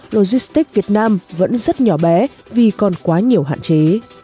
logistics việt nam vẫn rất nhỏ bé vì còn quá nhiều hạn chế